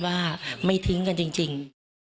ว่าไม่ทิ้งกันจริง